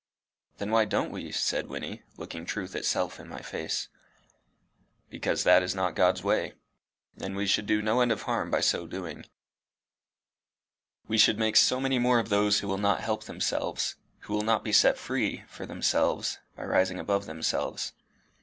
"Then why don't we?" said Wynnie, looking truth itself in my face. "Because that is not God's way, and we should do no end of harm by so doing. We should make so many more of those who will not help themselves who will not be set free from themselves by rising above themselves.